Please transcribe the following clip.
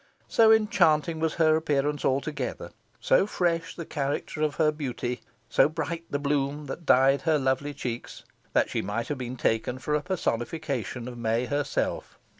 So enchanting was her appearance altogether, so fresh the character of her beauty, so bright the bloom that dyed her lovely checks, that she might have been taken for a personification of May herself.